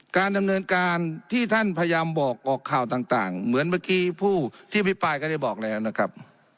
การดำเนินการที่ท่านพยายามบอกออกข่าวต่างเหมือนเมื่อกี้ผู้ที่พิปรายก็ได้บอกแล้วนะครับ